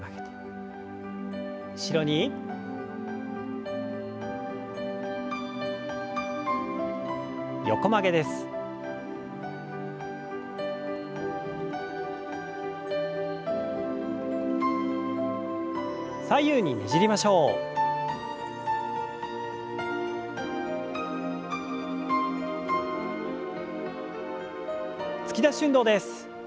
突き出し運動です。